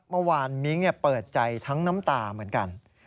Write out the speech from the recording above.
เมื่อวานมิ้งเปิดใจทั้งน้ำตาเหมือนกัน